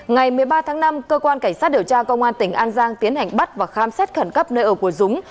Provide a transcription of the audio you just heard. ngày một mươi ba tháng năm cơ quan cảnh sát điều tra công an tỉnh an giang tiến hành bắt và khám xét khẩn cấp nơi ở của dũng